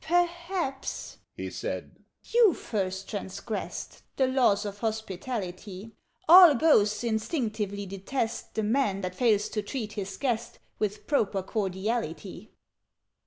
"Perhaps," he said, "you first transgressed The laws of hospitality: All Ghosts instinctively detest The Man that fails to treat his guest With proper cordiality.